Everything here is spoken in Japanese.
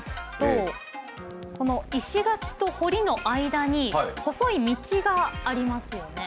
この石垣と堀の間に細い道がありますよね。